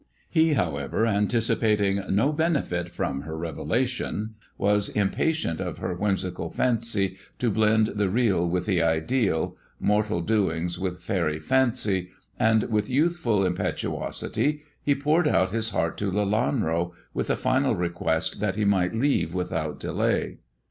He, however, anticipating no benefit from her revelation, was impatient of her whim sical fancy to blend the real with the ideal, mortal doings with faery fantasy, and with youthful impetuosity he poured out his heart to Lelanro, with a final request that he might leave without delay.